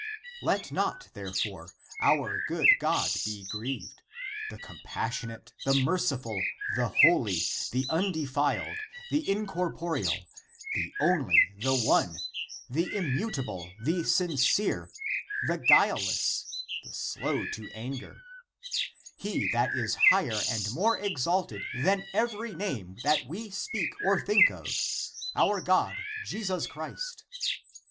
Let not, therefore, our good God be grieved, the compassionate, the merciful, the holy, the undeiiled, the incorporeal, the only, the one, the immutable, the sincere, the guileless, the slow to an ger, he that is higher and more exalted than every name that we speak or think of, our God Jesus Christ